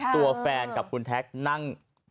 ตัวแฟนกับคุณแท็กนั่ง